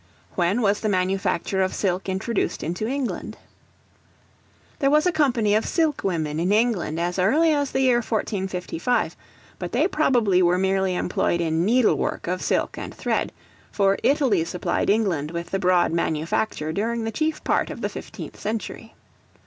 When was the manufacture of silk introduced into England? There was a company of silk women in England as early as the year 1455; but they probably were merely employed in needlework of silk and thread, for Italy supplied England with the broad manufacture during the chief part of the fifteenth century.